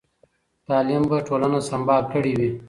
تعلیم به ټولنه سمبال کړې وي.